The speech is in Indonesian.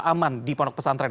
betul dan anak anak bisa berhasil